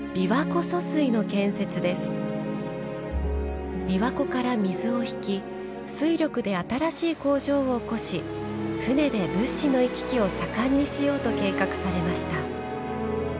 琵琶湖から水を引き水力で新しい工場を起こし船で物資の行き来を盛んにしようと計画されました。